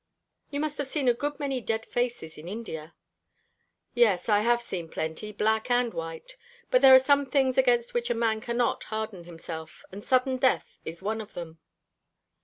"You must have seen a good many dead faces in India." "Yes, I have seen plenty black and white but there are some things against which a man cannot harden himself, and sudden death is one of them."